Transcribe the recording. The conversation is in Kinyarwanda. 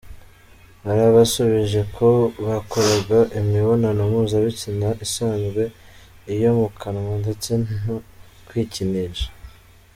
Hari abasubije ko bakoraga imibonano mpuzabitsina isanzwe, iyo mu kanwa ndetse no kwikinisha.